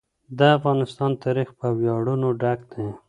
د افغانستان تاریخ په ویاړونو ډک دی.